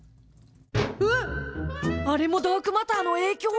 あれもダークマターの影響？